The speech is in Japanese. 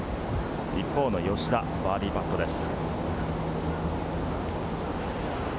一方の吉田、バーディーパットです。